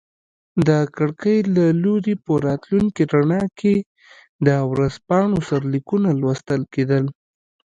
د کړکۍ له لوري په راتلونکي رڼا کې د ورځپاڼو سرلیکونه لوستل کیدل.